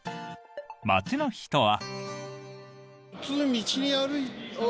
街の人は。